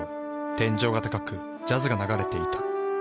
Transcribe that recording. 天井が高くジャズが流れていた。